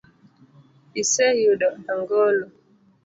Iseyudo angolo?